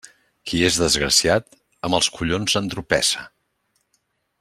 Qui és desgraciat, amb els collons entropessa.